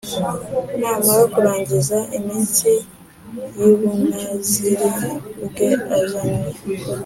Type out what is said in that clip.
namara kurangiza iminsi y ubunaziri bwe Azanwe